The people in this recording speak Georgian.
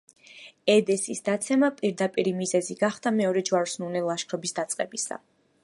ედესის დაცემა პირდაპირი მიზეზი გახდა მეორე ჯვაროსნული ლაშქრობის დაწყებისა.